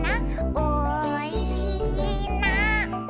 「おいしいな」